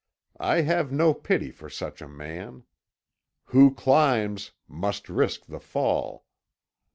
I have no pity for such a man. Who climbs must risk the fall.